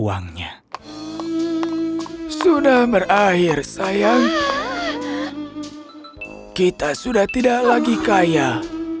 dan suatu hari takdirnya berubah